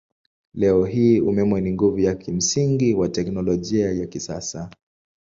Leo hii umeme ni nguvu ya kimsingi wa teknolojia ya kisasa.